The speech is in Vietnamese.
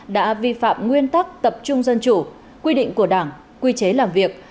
đã vi phạm nguyên tắc tập trung dân chủ quy định của đảng quy chế làm việc